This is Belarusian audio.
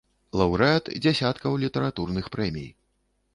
Лаўрэат дзясяткаў літаратурных прэмій.